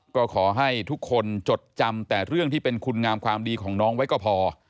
ก็ขอให้ทุกคนจดจำแต่เรื่องที่เป็นคุณงามความดีของน้องไว้ก็พอ